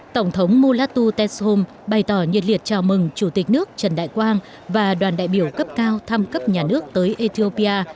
tổng thống mulatu teshom bày tỏ nhiệt liệt chào mừng chủ tịch nước trần đại quang và đoàn đại biểu cấp cao thăm cấp nhà nước tới ethiopia